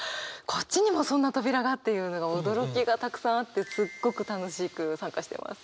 こっちにもそんな扉がっていうのが驚きがたくさんあってすっごく楽しく参加してます。